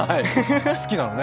好きなのね？